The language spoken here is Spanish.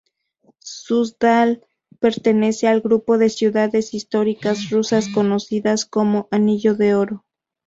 Súzdal pertenece al grupo de ciudades históricas rusas conocido como Anillo de Oro.